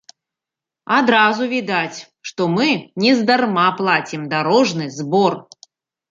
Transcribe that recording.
Адразу відаць, што мы нездарма плацім дарожны збор!